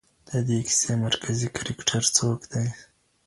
د دې کیسې مرکزي کرکټر څوک دی؟